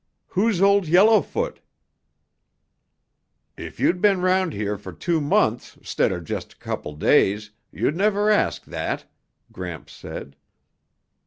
"Who's Old Yellowfoot?" "If you'd been round here for two months 'stead of just a couple days, you'd never ask that," Gramps said.